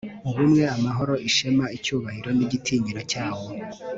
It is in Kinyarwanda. ubumwe, amahoro, ishema, icyubahiro n'igitinyiro cyawo